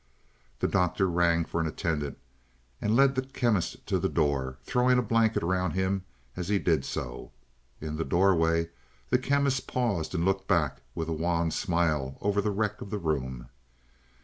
The Doctor rang for an attendant, and led the Chemist to the door, throwing a blanket around him as he did so. In the doorway the Chemist paused and looked back with a wan smile over the wreck of the room.